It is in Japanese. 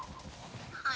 はい。